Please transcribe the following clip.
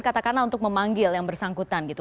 katakanlah untuk memanggil yang bersangkutan gitu